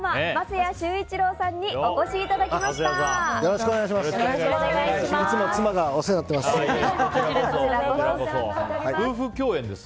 よろしくお願いします。